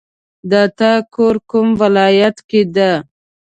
د تا کور کوم ولایت کې ده